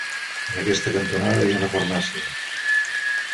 En aquesta cantonada hi ha una farmàcia.